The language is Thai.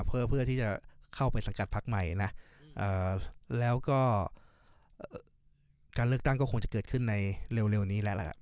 เพื่อที่จะเข้าไปสังกัดพักใหม่นะแล้วก็การเลือกตั้งก็คงจะเกิดขึ้นในเร็วนี้แล้วล่ะ